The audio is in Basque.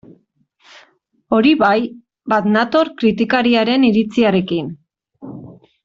Hori bai, bat nator kritikariaren iritziarekin.